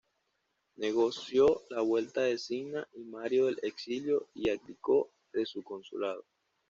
Negoció la vuelta de Cinna y Mario del exilio y abdicó de su consulado.